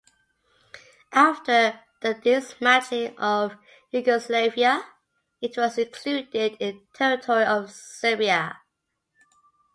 After the dismantling of Yugoslavia it was included in the territory of Serbia.